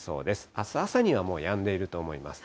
あす朝にはもうやんでいると思います。